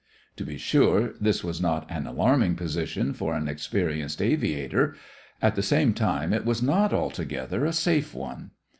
To be sure, this was not an alarming position for an experienced aviator; at the same time, it was not altogether a safe one.